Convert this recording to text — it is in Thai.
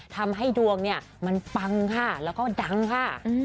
ทำให้ดวงเนี่ยมันปังค่ะแล้วก็ดังค่ะ